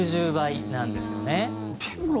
６０倍なんですよね。